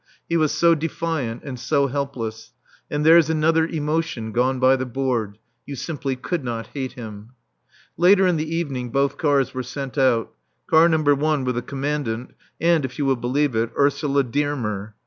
He was so defiant and so helpless. And there's another emotion gone by the board. You simply could not hate him. Later in the evening both cars were sent out, Car No. 1 with the Commandant and, if you will believe it, Ursula Dearmer.